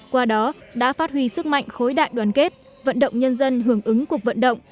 qua đó đã phát huy sức mạnh khối đại đoàn kết vận động nhân dân hưởng ứng cuộc vận động